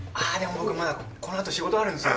僕まだこのあと仕事あるんですよ。